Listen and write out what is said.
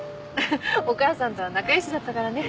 お義母さんとは仲良しだったからね。